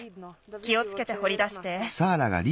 気をつけてほりだして。